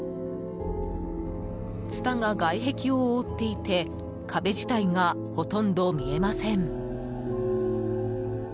ツタが外壁を覆っていて壁自体がほとんど見えません。